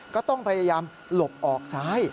ก็ต้องพยายามหลบออกซ้าย